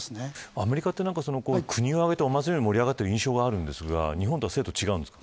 アメリカは国を挙げてお祭りのように盛り上がっている印象がありますが日本とは制度が違うんですか。